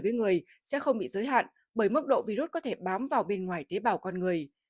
với người sẽ không bị giới hạn bởi mức độ virus có thể bám vào bên ngoài tế bào con người